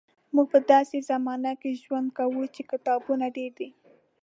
موږ په داسې زمانه کې ژوند کوو چې کتابونه ډېر دي.